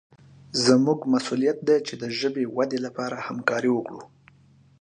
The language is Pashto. زموږ مسوولیت دی چې د ژبې ودې لپاره همکاري وکړو.